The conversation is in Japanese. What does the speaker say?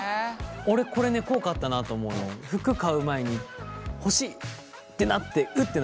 俺これね効果あったなと思うの服買う前に欲しいってなってウッてなるじゃん。